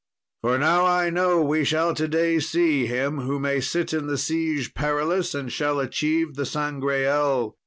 For now I know we shall to day see him who may sit in the Siege Perilous, and shall achieve the Sangreal.